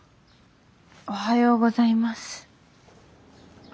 おはようございます。